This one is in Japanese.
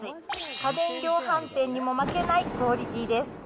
家電量販店にも負けないクオリティです。